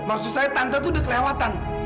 maksud saya tante itu sudah kelewatan